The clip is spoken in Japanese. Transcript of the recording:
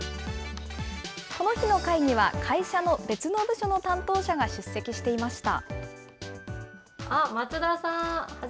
この日の会議は、会社の別の部署の担当者が出席していました。